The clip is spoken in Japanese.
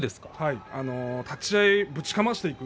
立ち合い、ぶちかましていく。